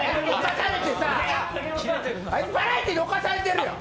あいつ、バラエティーにおかされてるやん！